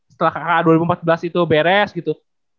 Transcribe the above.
setelah kakak dua ribu empat belas itu beres gitu